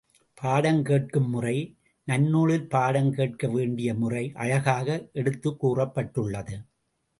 பாடம் கேட்கும் முறை நன்னூலில் பாடம் கேட்க வேண்டிய முறை அழகாக எடுத்துக் கூறப்பட்டுள்ளது.